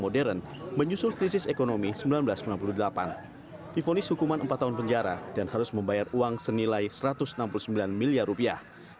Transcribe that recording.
difonis hukuman empat tahun penjara dan harus membayar uang senilai satu ratus enam puluh sembilan miliar rupiah